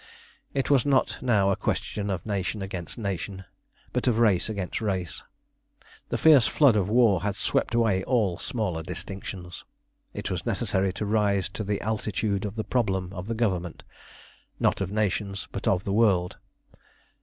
It was not now a question of nation against nation, but of race against race. The fierce flood of war had swept away all smaller distinctions. It was necessary to rise to the altitude of the problem of the Government, not of nations, but of the world.